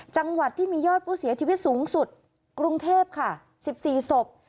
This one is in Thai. จังหวัดที่มียอดผู้เสียชีวิตสูงสุดกรุงเทพค่ะ๑๔ศพ